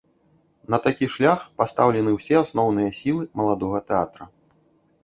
На такі шлях пастаўлены ўсе асноўныя сілы маладога тэатра.